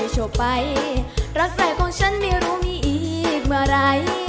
โชคไปรักแรกของฉันไม่รู้มีอีกเมื่อไร